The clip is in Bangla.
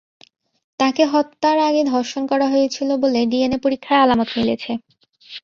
তাঁকে হত্যার আগে ধর্ষণ করা হয়েছিল বলে ডিএনএ পরীক্ষায় আলামত মিলেছে।